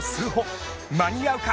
間に合うか！